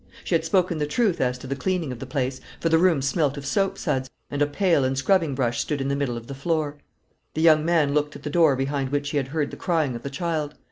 She had spoken the truth as to the cleaning of the place, for the room smelt of soapsuds, and a pail and scrubbing brush stood in the middle of the floor. The young man looked at the door behind which he had heard the crying of the child.